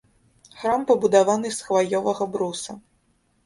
Храм пабудаваны з хваёвага бруса.